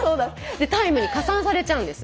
でタイムに加算されちゃうんです。